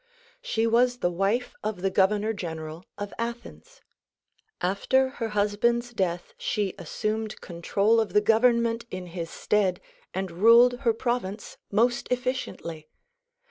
She was the wife of the governor general of Athens. After her husband's death she assumed control of the government in his stead and ruled her province most effi ciently.